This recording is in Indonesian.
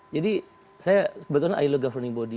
jadi saya sebetulnya ilo governing body